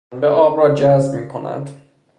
پنبه آب را جذب میکند.